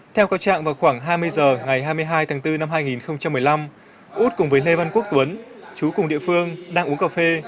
theo các trạng vào khoảng hai mươi h ngày hai mươi hai tháng bốn năm hai nghìn một mươi năm út cùng với lê văn quốc tuấn chú cùng địa phương đang uống cà phê